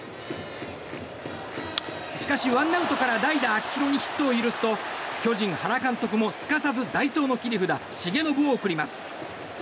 しかしワンアウトから代打、秋広にヒットを許すと巨人、原監督もすかさず代走の切り札重信を送ります。